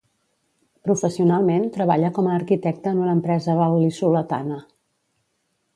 Professionalment treballa com a arquitecta en una empresa val·lisoletana.